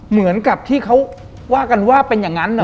เหมือนกับที่เขาว่ากันว่าเป็นอย่างนั้นนะ